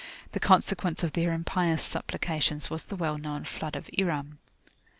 The consequence of their impious supplications was the well known Flood of Iram.